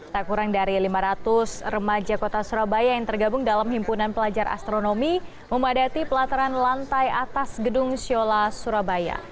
tak kurang dari lima ratus remaja kota surabaya yang tergabung dalam himpunan pelajar astronomi memadati pelataran lantai atas gedung siola surabaya